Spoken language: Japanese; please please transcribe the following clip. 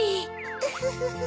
ウフフ。